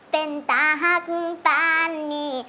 เป็นตาหักตานมี